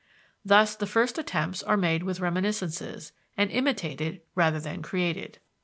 Thus the first attempts are made with reminiscences, and imitated rather than created.